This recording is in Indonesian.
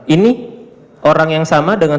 ini orang yang sama dengan